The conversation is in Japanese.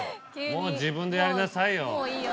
「もう自分でやんなさいよ」。